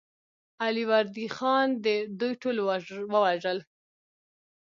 علي وردي خان دوی ټول ووژل.